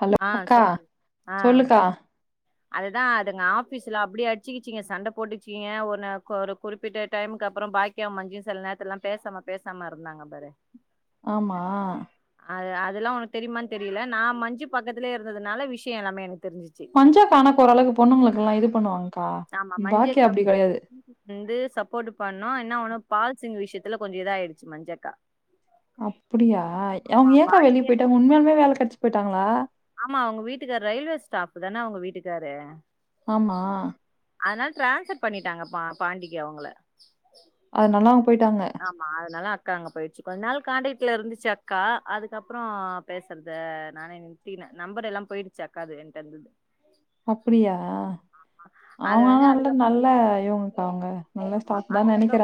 Hello ஆ அக்கா சொல்லுங்க. ஆ சொல்லுக்கா அதுதான் அதுங்க ஆபீஸ்ல அப்டியே அடிச்சுிக்கிச்சீங்க சண்ட போட்டுகுச்கிங்க ஒ நே ஒரு குறிப்பிட்ட டைமுக்கு அப்பறம் பாக் கியா மஞ்சின் சில நேரத்துல்லா பேசாம பேசாம இருந்தாங்க பாரு ஆமா அ அதெல்லாம் உனக்கு தெரியுமான்னு தெரில நா மஞ்சு பக்கத்திலேயே இருந்ததுனால விஷயம் எல்லாமே எனக்கு தெரிஞ்சிருச்சு மஞ்சக்கா ஆனா ஓரளவுக்கு பொண்ணுங்களுக்குல்லாம் இது பண்ணுவாங்க்கா ஆமா பாக்கியா மஞ்சக்கா அப்டி கிடையாது வந்து சப்போர்ட்டு பண்ணா என்னா ஒன்னும் பால் சிங் விஷயத்துல கொஞ்சம் இதா ஆயிடுச்சு மஞ்சக்கா அப்டியா ஆமா அவ்ங்க ஏக்கா வெளியே பாக்கியா போயிட்டாங்க உண்மையாலுமே வேல கெடச்சு போய்ட்டாங்களா ஆமா அவுங்க வீட்டுக்காரு ரயில்வே ஸ்டாஃப் தானே அவங்க வீட்டுக்காரு ஆம்மா அதனால டிரான்ஸ்பர் பண்ணிட்டாங்க பா பாண்டிக்கு அவுங்கள அதுநால்ல அவுங்க போய்ட்டாங்க அதனால அக்கா அங்க போயிச்சு கொஞ்ச நாள் காண்டக்ட்ல இருந்துச்சு அக்கா அதுக்கப்றோ பேசுறத நானே நித்தின நம்பர் எல்லா போயிடுச்சு அக்காது என்டந்துது அப்டியா அவ அது வந்து ஆனா நல்ல யோகோக்கா அங்க நல்லா ஸாடாஃப் தா நெனக்கிற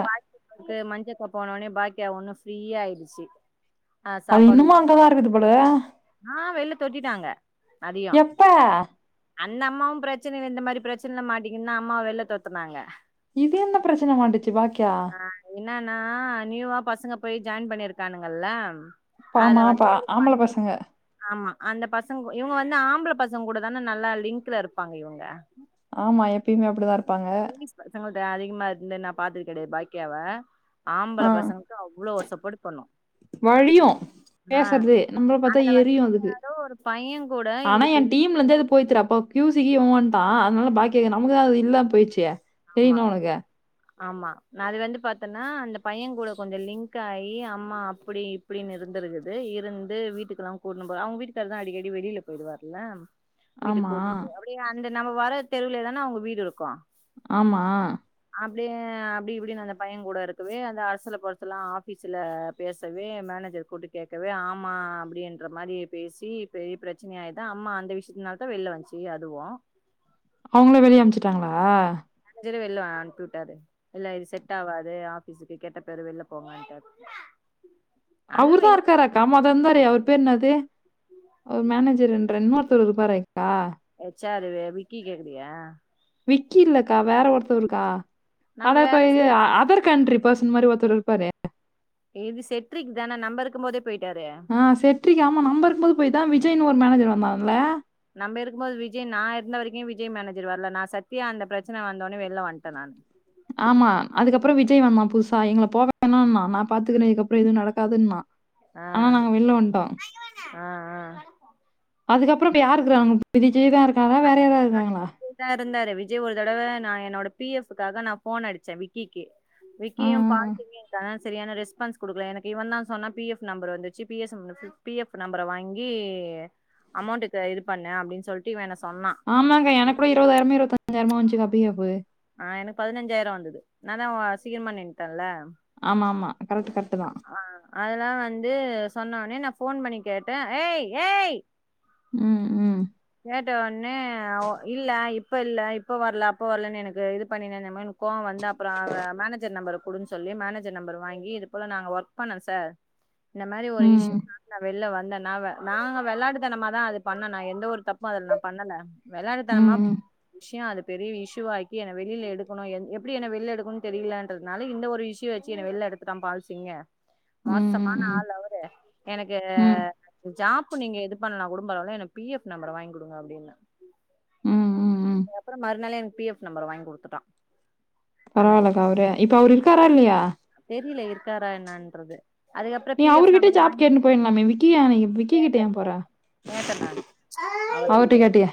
க்கு மஞ்சக்கா போனோனே பாக்கியா ஒன்னு ஃப்ரீயா ஆயிடுச்சு ஆ அது சாப்பாடு இன்னுமு அங்கதா இருக்குது போல ஆ வெள்ல தொட்டிட்டாங்க அதையு ட அந்த அம்மாவு பிரச்சனைல இந்த மாரி பிரச்சனைல்ல மாட்டீகுனுதா அம்மாவ வெள்ல தொரத்துனாங்க இது என்ன பிரச்சன மாட்டுச்சு பாக்கியா ஆ என்னன்னா நியூவா பசங்க போய் ஜாயின் பண்ணிருக்கானுங்கல்ல அதுல பாமா வந்து பா ஒரு ஆம்பள பைய பசங்க கிட்ட ஆமா அந்த பசங்க இவுங்க வந்து ஆம்பள பசங்க கூட தான நல்லா லிங்க்ல இருப்பாங்க இவங்க ஆமா எப்பயுமே அப்டிதா இருப்பாங்க பசங்கள்ட அதிகமா இருந்து நா பாத்தது கெடையாது பாக்கியாவ ஆம்பள பசங்களுக்கு அவ்ளோ சப்போட்டு பண்ணு வலியு ஆ பேசுறது நம்மள பாத்தா எரியு அதுக்கு ஏதோ ஒரு பைய கூட ஆனா எ இதுக்கு டீம் அப்பலந்தே அது போய்த்துடா அப்பா க்யூ சி கி இவ வன்டா அதனால பாக்கியா நமக்குா தா அது இல்லாம போய்ச்சே ஆமா ஆமா நா அது வந்து பாத்தன்னா அந்த பைய கூட கொஞ்சோ லிங்க் ஆயி அம்மா அப்டி அப்டின்னு இருந்துருக்குது இருந்து வீட்டுக்கெல்லா கூட்ணு போறா அவுங்க வீட்டுக்காரு தா அடிக்கடி வெளில போயிடுவாருல வீட்டுக்கு ஆமா கூட்னு அப்டியே அந்த நம்ம வர தெருவுலே தான அவுங்க வீடு இருக்கு ஆமா அப்டே அப்டி இப்டின்னு அந்த பைய கூட இருக்கவே அந்த அரசலபொரசலா ஆபீஸ்ல பேசவே மேனேஜர் கூட்டு கேக்கவே ஆமா அப்டின்ற மாரி பேசி பெரிய பிரச்சனயாயி தா அம்மா அந்த விஷயத்துனால தா வெள்ல வன்சு இ அதுவோ அவுங்களே வெளிய அமுச்சுட்டாங்களா அஞ்சர வெள்ல அனுப்பி உட்டாரு இல்ல இது செட் ஆவாது ஆபீஸுக்கு கெட்ட பேரு வெள்ல போங்கன்டாரு அவுருதா இருக்காரா க்காமொத இருந்தாரே அவரு பேரு என்னது அவர் மேனேஜர் என்ற இன்னோர்தரு இருப்பாரேக்கா ஹேச் ஆரு விக்கி கேக்குறியா விக்கி இல்லக்கா வேற ஒருத்தவருக்கா நம்ம அதா இப்ப வேல செ இ அதர் கண்ட்ரி பர்சன் மாரி ஒருத்தர் இருப்பாரே இது செட்ரிக் தான நம்ப இருக்கும் போதே போய்ட்டாரே ஆ செட்ரிக்‌ ஆமா நம்ப இருக்கும் போது போய் தா விஜய்னு ஒரு மேனேஜர் வந்தான்ல நம்ம இருக்கும் போது விஜய் நா இருந்த வரைக்கு விஜய் மேனேஜர் வர்ல நா சத்தியா அந்த பிரச்சனை வந்தோனே வெளிய வன்ட நானு ஆமா அதுக்கப்பறோ விஜய் வந்தா புதுசா எங்கள போவேணாண்ணா நா பாத்துக்கற இதுக்கப்புறோ எதுவு நடக் காதுன்னா ஆ ஆ ஆ அதுக்கப்புறோ இப்ப யாருக்குராங் விஜய் தா இருக்கா வேறயார எதா இருக்காங்களா விஜய் தா இருந்தாரு விஜய் ஒரு தடவ நா என்னோட பி எஃப் காக நா ஃபோன் அடிச்ச விக்கிக்கு ஆ, விக்கியு ஆ. பார்க்கிங்கு சரியான ரெஸ்ஃபான்ஸ் குடுக்கலா எனக்கு இவ தா சொன்னா பி எஃப் நம்பர் வந்துச்சு பி எஸ் பி எஃப் நம்பர வாங்கி அமௌன்ட்டுக்கு இது பண்ணு அப்டின்னு சொல்ட்டு இவ என்ன சொன்னா ஆமாங்க எனக்கூட இருபதாயிரமோ இருபத்தஞ்சாயிரமோ வந்துச்சுங்க பிஎஃப்பு ஆ எனக்கு பதினெஞ்சாயிரோ வந்தது நா தா சீக்கிரமா நின்ட்டேன்ல ஆமா ஆமா கரெக்ட் கரெக்ட் தா ஆ அதெல்லா வந்து சொன்ன ஒன்னே நா ஃபோன் பண்ணி கேட்டே ஏய் ஏய் ம் ம் கேட்டவுன்னே அவ இல்ல இப்பல்ல இப்ப வரல அப்ப வரலன்னு எனக்கு இது பண்ணிந்த மாரி கோவோ வந்து அப்புறோ அவ மேனேஜர் நம்பர் குடுன் சொல்லி மேனேஜர் நம்பர் வாங்கி இது போல நாங்க ஒர்க் பண்ணோ சார் இந்த மாரி ஒரு இஷ் யூ ம், நா வெள்ல வந்தேன்னாவ நாங்க வெள்ளாட்டுத்தனமா தா அது பண்ணுனோ எந்த ஒரு தப் ப்பு நா பண்ணல ம், வெள்ளாட்டுத்தனமா ம், விஷ்யோ அது பெரிய இசுவாக் கி என்ன வெளியில எடுக்கணு எப்பிடி என்ன வெள்ல எடுக்கணுன்னு தெரியலன்றதுனால இந்த ஒரு இஷுவ வச்சு என்ன வெளில எடுத்துட்டா பால்சிங் ம், மோசமான ம், ஆள் அவரு எனக்கு ம், ஜாப்பு நீங்க எது பண்ணலாக் பரவால்ல எனக்கு பிஎஃப் நம்பர வாங்கி கொடுங்க அப்டின்ன ம் ம் ம் அதுக்ப்புறோ மறுநள்ளே எனக்கு பிஎஃப் நம்பர வாங்கி குடுத்துட்டா பரவால்லக்கா அவரு இப்ப அவரு இருக்காரா இல்லையா தெரில இருக்காரா என்னன்றதே அதுக்கப்புறோ நீ பிஎஃப் அவருகிட்ட நம்பர ஜாப் கேட்டுன்னு வாங்கி போயிடலாமே! விக்கி ஏன் விக்கி கிட்ட ஏன் போற? [inaudible] கேட்டா நானு அவர்ட்டயே அவர்ட்ட கேட்டே கேட்டியா?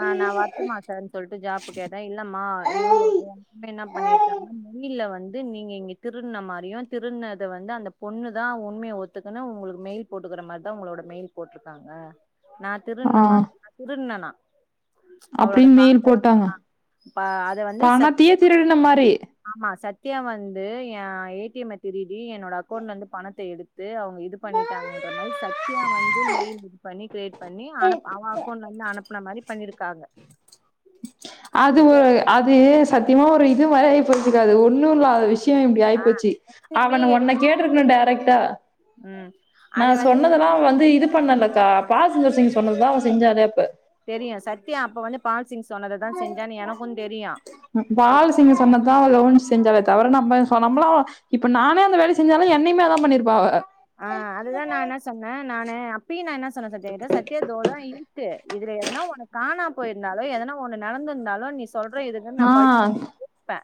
ஆ நா வரட்டுமா சார்னு சொல்லிட்டு ஜாப்பு கேட்டே இல்லம்மா இவங்க வரைங் இன்னு என்ன பண்ணிருக்காங்க மெயில்ல வந்து நீங்க இங்க திருட்ன மாதிரியு திருடுனத வந்து அந்த பொண்ணு தா உண்மையை ஒத்துக்கன்னு உங்களுக்கு மெயில் போட்டுக்குற மாரிதா உங்களோட மெயில் போட்ருக்காங்க நா ஆ. திருடுன மாரி நா திருட்னன்னா அப்படின்னு மெயில் போட்டாங்க அத வந்து ச பணத்தையே திருடுன மாரி ஆமா சத்யா வந்து எ ஏ டி எம்ம திருடி என்னோட அக்கௌண்ட்ல இருந்து பணத்த எடுத் த்து அவங்க இது பண்ணிட்டாங்கன்றா மாரி சத்யா வந்து மெயில் இது பண்ணி கிரேட் பண்ணி அனுப் அவ அக்கௌண்ட்லருந்து அனுப்புன மாரி பண்ணிருக்காங்க அது சத்யா ஒரு அது சத்தியமா ஒரு இது வரை ஆகிப்போச்சுக்கா ஒன்னு இல்லாத விஷ் யோ இப்பிடி ஆ ஆயிப்போச்சு அவ உன்னன கேட்டுருக்குன்னு டேரக்ட்டா ம் நா அத வந்து சொன்னதெல்லா வந்து இது பண்ணேலக்கா பாஸ்மிர்சிங் சொன்னதுதா அவ செஞ்சானே அப்ப தெரியு சத்யா அப்ப வந்து பால்சிங் சொன்னததா செஞ்சான்னு எனக்கு தெரியு ம் பால்சிங் சொன்னதா அவ வந்து செஞ்சாலே தவுர நம்ம சொன்ன நம்பல இப்ப நானே அந்த வேல செஞ்சாலு என்னையுமே அதா பண்ணிருப்பா அவ ஆ அதுதா நா என்ன சொன்னே நானு அப்பயு நா என்ன சொன்னே சத்தயா கிட்ட சத்யா இந்தவோதா இருக்கு இதுல எதனா ஒன்னு காணா போயிருந்தாலோ எதனா ஒன்னு நடந்துருந்தாலோ நீ சொல் சொல்ற இதுக்கு நா ஆ பழி [inaudible] பே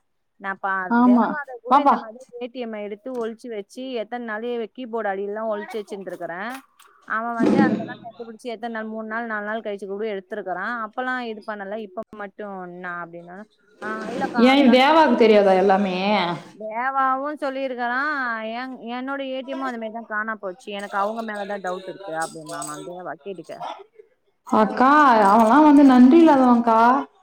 நா பழம் ஆமா. தேவாத கூட வாப்பா. இந்த மாரிலா போயிட் டி எம்ல எடுத்து ஒழிச்சு வச்சு எத்தன நாள்லு கீபோர்டு அடியெல்லல்லா ஒழிச்சு வெச்சின்ட்ருக்குறே அவன் வந்து அதெல்லா கண்டு புடிச்சி எத்தன நா மூணு நாள் நாலு நாள் கழிச்சு கூட எடுத்திருக்குறா அப்பல்லா இது பண்ணல இப்ப மட்டு என்னா அப்டின்னா ஆ இல்லக்கா ஏ அதெல்லா தேவாவுக்கு தெரியாதா எல்லாமே தேவாவு சொல்லியிருக்குறா எங் என்னோட் அப்ப ஏ டி எம்மு அதே மாரி தா காணா போச்சு எனக்கு அவங்க மேலதா டவுட்ருக்கு அப்டின்னான்னா தேவா கேட்டுக்க அக்கா அவ் அவலா வந்து நன்றி இல்லாதவங்க்கா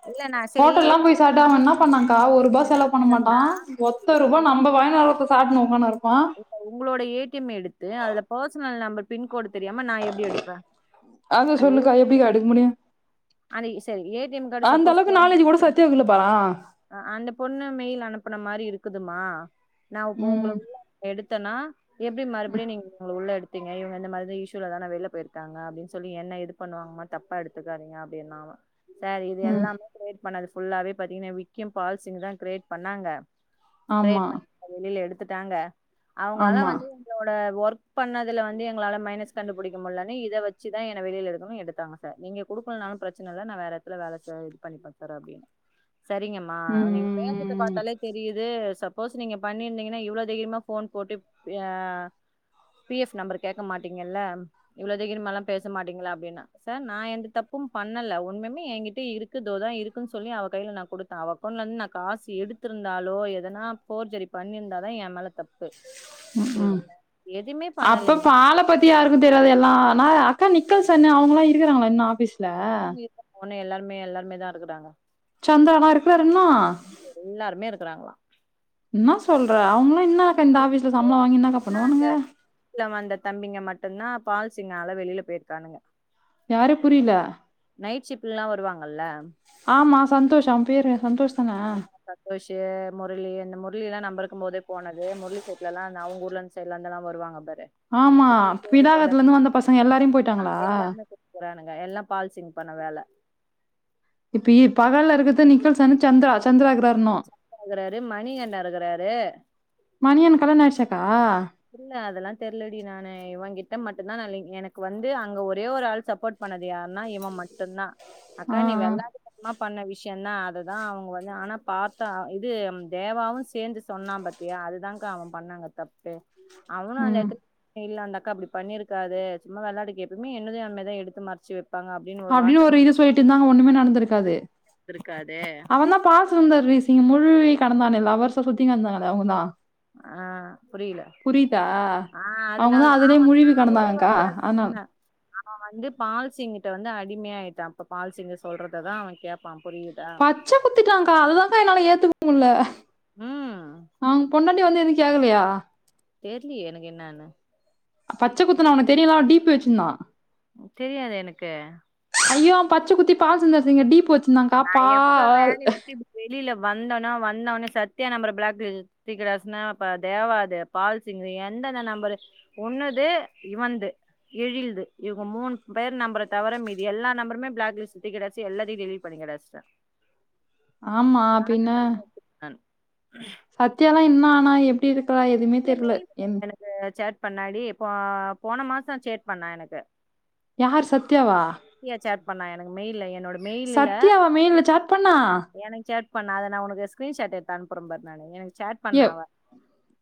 இல்ல நா சரி ஹோட்டல்லாம் போய் சாப்ட்டா அவன் என்ன பண்ணாக்கா ஒரு ரூபா எனக்கு செலவு பண்ண மாட்டா கேக்குறனா ஒத்த ரூபா நம்ம வாங்கி வர சாப்ட்னு உக்கானு இருப்பா இப்ப உங்களோட ஏ டி எம் எடுத்து அதுல பர்ஸ்னல் நம்பர் பின்கோடு தெரியாம நா எப்டி எடுப்பே அது எப்டிக்கா எடுக்க முடியு அன்னக்கி சரி A T M card suppose அளவுக்கு போன் நாலேஜ் கூட சத்யாவுக்கு இல்ல பாரா அ அந்த பொண்ணு மெயில் அனுப்புன மாரி இருக்குதும்மா நா இப்ப உங்கள ம் எடுத்தன்னா எப்டி ம், மறுபடியு நீங்க அவுங்கள உள்ள எடு ப்பீங்க இவுங்க இந்த மாதிரி இஷ்யூல தான வெளியில போயிருக்காங்க அப்டின் சொல்லி என்ன இது பண்ணுவாங்கம்மா தப்பா எடுத்துக்காதீங்க அப்டின்னாவே சரி இது ம் எல்லாமே கிரேட் பண்ணது ஃபுல்லாவே பாத்தீங்கன்னா விக்கிம் பால்சிங்க் தா கிரியேட் பண்ணாங்க ஆமா கிரியேட் பண்ண வெளியில எடுத்துட்டாங்க அவுங்க ஆனா ஆமா வந்து என்னோட ஒர்க் பண்ணதுல வந்து எங்களால மைனஸ் கண்டுபிடிக்க முடியலன்னு இத வச்சுதா என்ன வெளியில எடுக்கணும்னு எடுத்தாங்க ச நீங்க குடுக்கலனானு பிரச்சன இல்ல நா வேற எட்த்துல வேல செ இது பண்ணி குடுத்துர்றே அப்டின்னே சரிங்கம்மா ம் நீங்க பேசறதப் ம் பாத்தாலே தெரியுது சப்போஸ் நீங்க பண்ணிருந்தீங்கன்னா இவ்வளோ தைரியமா ஃபோன் போட்டு அ பி எஃப் நம்பர் கேட்க மாட்டீங்கல்ல இவ்ளோ தகிரமல்லா பேச மாட்டீங்களா அப்டின்னா சார் நா எந்த தப்பும் பண்ணல ஒன்னுமுமே என்கிட்ட இருக்கு இதோதா இருக்குன்னு சொல்லி அவ கையில நா குடுத்தே அவ அக்கௌன்ட் இருந்து நா காசு எடுத்து த்துருந்தாலோ எதனா ஃபோர்ஜரி பண்ணிருந்தாதா என் மேல தப் ம் ம் எதுமே அப்ப பண்ணலேங்க பால பத்தி யாருக்கு தெரியாது எல்லா ஆனா அக்கா நிக்கல்சன்னு அவுங்கல்லா இருக்கிறாங்களா இன்னு ஆஃபிஸ் இருக்காங்க இருக்காங்க இன்னு எல்லாமே எல்லாருமே தா இருக்குறாங்க சந்திரனா இருக்குறாரு இன்னு எல்லாருமே இருக்குறாங்களா என்ன சொல்ற அவுங்கல்லா இன்னு இந்த ஆஃபீஸ்ல சம்பளம் வாங்கி என்னாக்கா பண்ணுவானுங்க ட்டுல வந்த தம்பிங்க மட்டும்தா பால்சிங்கால வெளியில போயிருக்கானுங்க யாரு புரியல நைட் ஷிஃப்ட்லல்லா வருவாங்கல்ல ஆமா சந்தோஷ் அவன் பேரு சந்தோஷ் அனா குரேஷீ முரளி இந்த முரளி எல்லா நம்ப இருக்கும் போதே போனது முரளி சைட்ல எல்லா நா அவுங்க ஊர்ல இருந்து சைல்லந்தெல்லா வருவாங்க பாரு ஆமா பேரு பேரு கொண்ட பினாகத்துல இருந்து வந்த பசங்க எல்லாரையும் போயிட்டாங்களா எல்லாமே போறானுங்க எல்லா பால் சிங் பண்ண வேல இப்ப இ பகல்ல இருக்கிறது நிகல்சன்னு சந்திரா சந்திரா கிறாரணு சந்த்ரா இருக்குறாரு மணி அண்ணன் இருக்குறாரு மணியன்னுக்கு கல்யாணம் ஆயிருச்சாக்கா இல்ல அதெல்லா தெர்லடி நானு இவன் கிட்ட மட்டுந்தா நா எனக்கு வந்து அங்க ஒரே ஒரு ஆள் சப்போர்ட் பண்ணது யாருன்னா இவன் மட்டும்தா ஆ அக்கா ஆ நீ வெள்ளாடுக்க ம்மா பண்ண விஷயந்தா அதுதா அவுங்க வந்து ஆனா பாத்தா இது தேவாவு சேந்து சொன்னா பாத்தி தியா அதுதான்கா அவன் பண்ண அங்க தப்பே அவனு அந்த ம் எடத்து இல்ல அந்தக்கா அப்டி பண்ணிருக்காது சும்மா வெளாட்டுக்கு சும்மா எப்பயுமே என்னதயு அந்த மாரி தா எடுத்து மறச்சு வைப்பாங்க அப் அப்டின்னு ஒரு இது சொல்லிட்டு இருந்தா அங்க ஒண்ணுமே நடந்திருக்காது இருக்காது அவன்தா பாஸ் சுந்தர் வீஸிங்கு முழு வீக் கடந்தான்ல்ல லவ்வர்ஸா சுத்திக்கிருந்தால்ல அவங்க தா ஆ புரியல ஆ அவங்கதா அதனாலே அதுலயே முழுவி கடந்தாங்கக்கா அதனால சொன்ன அவன் வந்து பால்சிங்ட்ட வந்து அடிமையாயிட்டான் இப்ப பால்சிங் சொல்றததா அவன் கேப்பான் புரியு பச்ச குத்திட்டாங்க்கா அதுதாக்கா என்னாலே ஏத்துக்க முடியல ம் அவுங்க பொண்டாட் இன்னு வந்து எதுவு கேக்கலையா தெர்லயே எனக்கு என்னான்னு பச்சக் குத்தினா அவன தெரில டீ பி வச்சிந்தான் தெரியாதே எனக்கு ஐயோ பச்ச குத்தி பால் சிங் இங்க டீ பி வச்சிருந்தாம்ப்பா பால் வெளில வந்தோன்னா வந்த உட்னே சத்தியா நம்பள பிளாக்கு த்தி கிடாசுன்னா தேவாது பால்சிங் து எந்தந்த நம்பரு உன்னுது இவன்ந்து எழில்து இவங்க மூணு பேர் நம்பற தவிர மீதி எல்லா நம்பருமே பிளாக்லிஸ்ட் தூக்கிகிடாச்சி எல்லாத்தையும டெலிட் பண்ணி கடாச்ட்டே ஆமா பின்ன நான் சத்தியாலாம் என்ன ஆனா எப்டி இருக்கா எதுவுமே என் தெரியல மெயில் என் இருக்குங்க எனக்கு சேட் பண்ணாடி இப்ப போன மாசம் சேட் பண்ணா எனக்கு யார் சத்யாவா த்தியா சேட் பண்ணா எனக்கு மெயில்ல என்னோட மெயில்ல சத்தியாவ மெயில்ல சேட் பண்ணா எனக்கு சேட் பண்ணா அத நா உனக்கு ஸ்கிரீன்ஷட் எடுத் அனுப்பற பாரு நானு எனக்கு சேட் ஏ பண்ணா அவ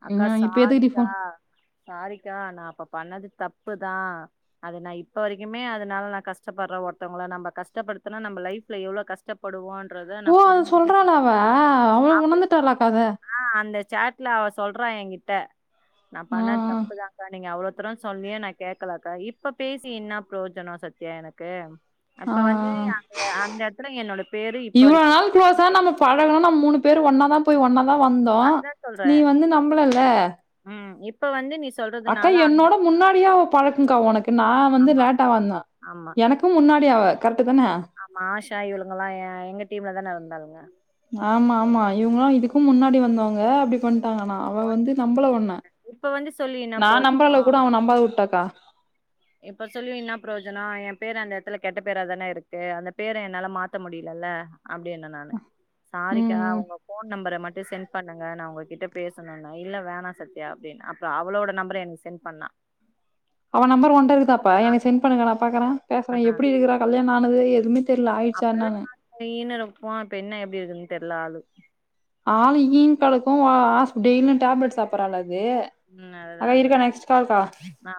அக்கா ஐயோ, இப்ப எதுக்குடி சாரிக்கா ஃபோன் சாரிக்கா நா அப்ப பண்ணது தப்பு தா அது நா இப்ப வரைக்குமே அதனால நா கஷ்ட ப்படுற ஒருத்தவங்கள நம்ப கஷ்டப்படுத்தினா நம்ப லைஃப்ல எவ்ள கஷ் ப்படுவோன்றத நா ஓ அத புரிஞ்ச சொல்றாளா அவ அவள அப்டி உணர்ந்துட்டாளா கதை அ அந்த சேட்ல அவ சொல்றா என்கிட்ட நா ஆ, பண்ணது தப் பு தா கா நீங்க அவ்வளதரம் சொல்லியே நா கேக்கலக்கா இப்ப பேசி என்ன பிரயோஜனம் சத் எனக்கு ஆ. அப்ப வந்து அந்த அந்த இடத்துல என்னோட பேரு இப்ப வரைக் க்ளோசா நம்ப பழகுனா நம்ம மூணு பேரு ஒன்னா தா போய் ஒன்னாதா அ வந்தோம் அதா சொல்றே நீ வந்து நம்பலல்ல ம் இப்ப வந்து நீ சொ அக்கா என்னோட முன்னாடியே அவ பழக்கங்க்கா உனக்கு நா வந்து ஆமா லேட்டா வந்த ஆமா எனக்கு அதுக்கு முன்னாடி அவ கரெக்ட்டு தானே ஆமா ஆஷா இவளுங்கல்லாம் எங்க டீம்ல தானே இந்தாளுங்க ஆமா ஆமா இவங்கல்லாம் இதுக்கும் முன்னாடி வந்தவங்க அப்டி பண்ட்டாங்க ஆனா அவ ஒன்- வந்து நம்புல உன்ன இப்ப வந்து சொல்லி என்ன நா நம்புன பிரயோஜனோ அளவுக்கு கூட அவ நம்பாத விட்டாக்கா இப்ப சொல்லி என்ன ப்ரோஜனம் என் பேரு அந்த இடத்துல கெட்ட பேரா தானே இருக்கு அந்த பேர என்னால மாத்த முடியலல்ல அப்டின்ன நானு ம், சாரிக்கா ம். உங்க போன் நம்பர மட்டும் சென்ட் ன் பண்ணுங்க நா உங்ககிட்ட பேசணுனா இல்ல வேணா சத்தியா அப்டின்ன அப்பறம் அவளோட நம்பர எனக்கு சென்ட் பண்ணா அவ நம்பர் உன்ட்ட இருக்காப்பா எனக்கு சென் பண்ணுங்க நா பாக்கறேன் ஆ பேசறேன் எப்டி இருக்குறா கல்யாணம் ஆனது எதுமே தெ தெர்ல ஆயிடுச்சா என்னான்னு சீ ன்னு இழுப்புவான் இப்ப என்ன எப்டி இருக்குன்னு தெர்ல ஆளு ஆளு ஈ ன்னு கிடக்கும் அ ஆஸ் டெய்லியும் டேப்லெட் சாப்பற ஆளா அது ம் அதுதா அக்கா அதுதா இருக்கா நெக்ஸ்ட் கால்கா ஆ